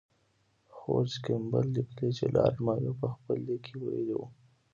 جورج کیمبل لیکي چې لارډ مایو په خپل لیک کې ویلي وو.